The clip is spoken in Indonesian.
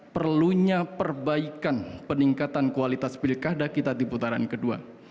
perlunya perbaikan peningkatan kualitas pilkada kita di putaran kedua